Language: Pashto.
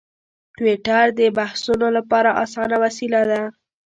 ټویټر د بحثونو لپاره اسانه وسیله ده.